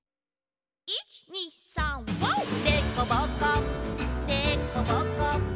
「でこぼこでこぼこ」